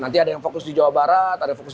nanti ada yang fokus di jawa barat ada fokus